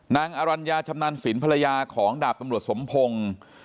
อรัญญาชำนาญสินภรรยาของดาบตำรวจสมพงศ์